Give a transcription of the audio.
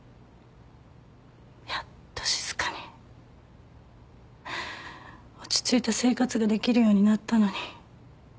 やっと静かに落ち着いた生活ができるようになったのに。